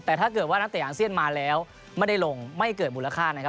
แต่ถ้าเกิดว่านักเตะอาเซียนมาแล้วไม่ได้ลงไม่เกิดมูลค่านะครับ